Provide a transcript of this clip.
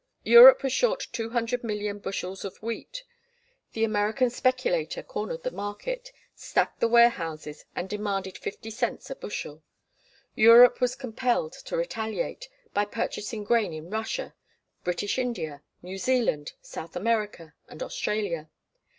Europe was short 200,000,000 bushels of wheat. The American speculator cornered the market, stacked the warehouses, and demanded fifty cents a bushel. Europe was compelled to retaliate, by purchasing grain in Russia, British India, New Zealand, South America, and Australia.